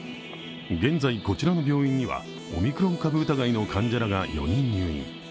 現在、こちらの病院にはオミクロン株疑いの患者らが４人入院。